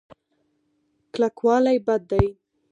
کلکوالی بد دی.